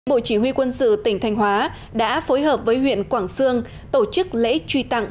bộ chỉ huy quân sự tỉnh thanh hóa đã phối hợp với huyện quảng sương tổ chức lễ truy tặng